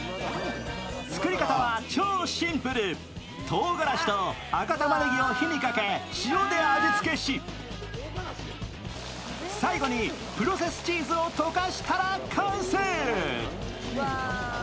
とうがらしと赤たまねぎを火にかけ塩で味付けし、最後にプロセスチーズを溶かしたら完成。